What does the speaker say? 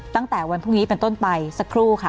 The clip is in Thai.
ตั้งแต่วันพรุ่งนี้เป็นต้นไปสักครู่ค่ะ